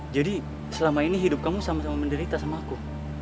jadi selama ini hidup kamu sama sama menderita sama aku